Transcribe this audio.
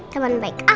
kau mau dateng pak